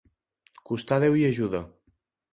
Costar Déu i ajuda.